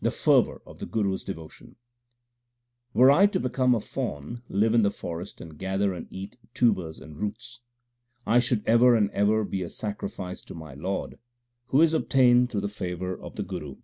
The fervour of the Guru s devotion : Were I to become a fawn, live in the forest, and gather and eat tubers and roots, I should ever and ever be a sacrifice to my Lord, who is obtained through the favour of the Guru.